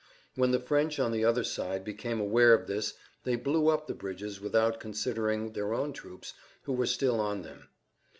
When the French on the other side became aware of this they blew up the bridges without considering their own troops who were still on them.